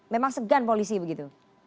memang segan polisi begitu